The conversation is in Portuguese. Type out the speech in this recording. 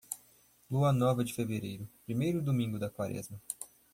Lua nova de fevereiro, primeiro domingo da Quaresma.